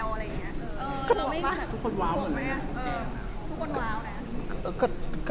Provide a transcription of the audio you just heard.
เออทุกคนว้าวเหมือนกัน